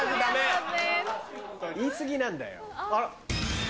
言い過ぎなんだよ。